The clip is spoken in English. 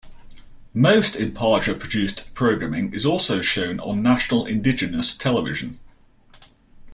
Most Imparja-produced programming is also shown on National Indigenous Television.